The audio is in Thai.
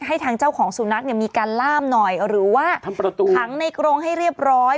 ให้ทางเจ้าของสุนัขเนี่ยมีการล่ามหน่อยหรือว่าขังในกรงให้เรียบร้อย